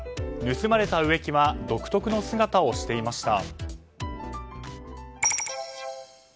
盗まれた植木は独特の姿をしていました。